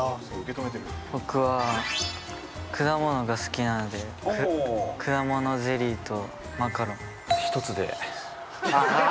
僕は果物が好きなので果物ゼリーとマカロン。